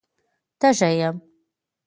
_تږی يم.